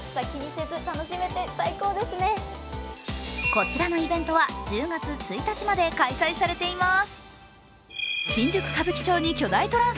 こちらのイベントは１０月１日まで開催されています。